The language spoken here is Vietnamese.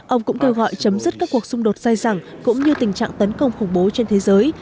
ông cũng kêu gọi chấm dứt các cuộc xung đột dài dẳng cũng như tình trạng tấn công khủng bố trên thế giới